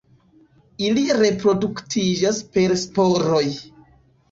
Ili reproduktiĝas per sporoj.